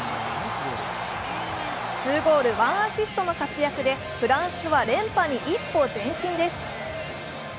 ツーゴールワンアシストの活躍でフランスは連覇に一歩前進です。